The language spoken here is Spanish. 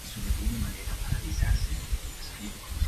Anteriormente fue Inspector General de las Fuerzas Armadas de Sudán.